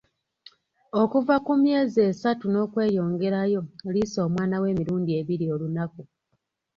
Okuva ku myezi esatu n'okweyongerayo, liisa omwana wo emirundi ebiri olunaku.